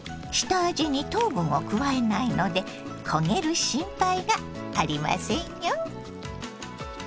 下味に糖分を加えないので焦げる心配がありませんよ。